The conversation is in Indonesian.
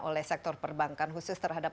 oleh sektor perbankan khusus terhadap